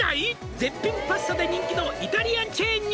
「絶品パスタで人気のイタリアンチェーンに」